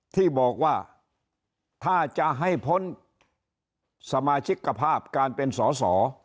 ที่บอกว่าถ้าจะให้พ้นสมาชิกภาพการเป็นสอสอ